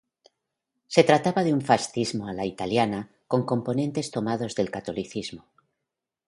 Se trataba de un fascismo a la italiana con componentes tomados del catolicismo.